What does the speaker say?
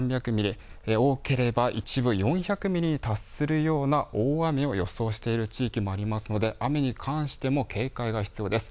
多ければ一部４００ミリに達するような大雨を予想している地域もありますので、雨に関しても警戒が必要です。